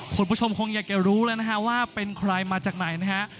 คุณผู้ชมคงอยากจะรู้แล้วนะฮะว่าเป็นใครมาจากไหนนะฮะ